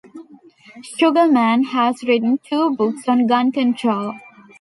Sugarmann has written two books on gun control.